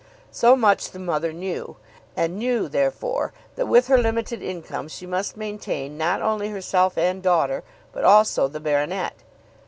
So much the mother knew, and knew, therefore, that with her limited income she must maintain not only herself and daughter, but also the baronet.